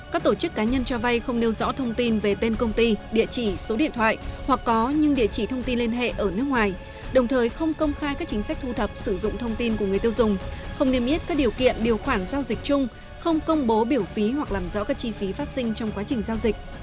các tổ chức cá nhân cho vay không nêu rõ thông tin về tên công ty địa chỉ số điện thoại hoặc có những địa chỉ thông tin liên hệ ở nước ngoài đồng thời không công khai các chính sách thu thập sử dụng thông tin của người tiêu dùng không niêm yết các điều kiện điều khoản giao dịch chung không công bố biểu phí hoặc làm rõ các chi phí phát sinh trong quá trình giao dịch